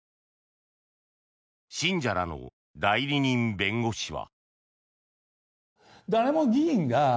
信者らの代理人弁護士は。